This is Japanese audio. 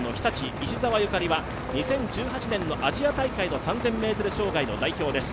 石澤ゆかりはアジア大会の３０００ｍ障害の代表です。